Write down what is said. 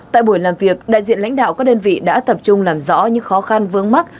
tại buổi làm việc đại diện lãnh đạo các đơn vị đã tập trung làm rõ những khó khăn vướng mắt